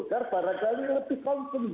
karena barangkali lebih konsumis